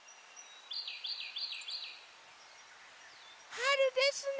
はるですね。